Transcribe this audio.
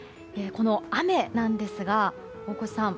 この雨なんですが、大越さん